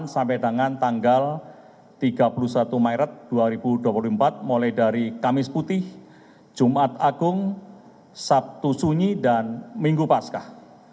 sampai dengan tanggal tiga puluh satu maret dua ribu dua puluh empat mulai dari kamis putih jumat agung sabtu sunyi dan minggu paskah